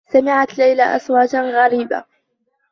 سمعت ليلى أصواتا غريبة.